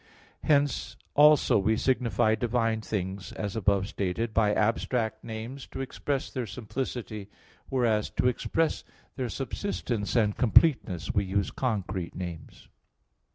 Hence also we signify divine things, as above stated, by abstract names, to express their simplicity; whereas, to express their subsistence and completeness, we use concrete names.